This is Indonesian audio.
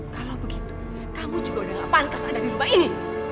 kalau begitu kamu juga udah lapang kesadar di rumah ini